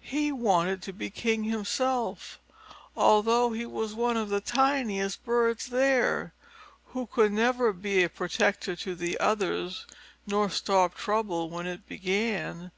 He wanted to be king himself, although he was one of the tiniest birds there, who could never be a protector to the others, nor stop trouble when it began.